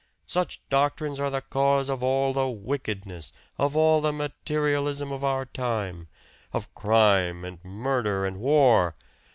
Such doctrines are the cause of all the wickedness, of all the materialism of our time of crime and murder and war!